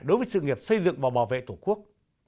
đối với sự nghiệp xây dựng và bảo vệ tổ quốc